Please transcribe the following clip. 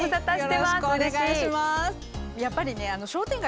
よろしくお願いします。